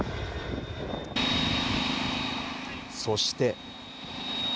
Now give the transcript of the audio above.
そして。